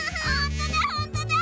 ほんとだ